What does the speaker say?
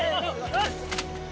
よし。